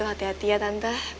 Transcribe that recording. istirahat ya mas